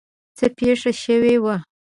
څه پېښ شوي وو.